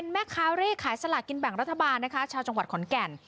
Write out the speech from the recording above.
มั๊คคาเรศสลากินแบ่งรัฐบาลชาวชุมวัดขอลแก่น